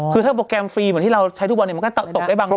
คือถ้าโปรแกรมฟรีเหมือนที่เราใช้ทุกวันมันก็ตกได้บางส่วน